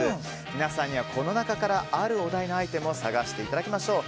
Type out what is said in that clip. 皆さんには、この中からあるお題のアイテムを探していただきましょう。